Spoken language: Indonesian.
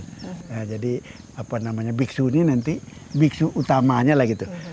nah jadi apa namanya biksu ini nanti biksu utamanya lah gitu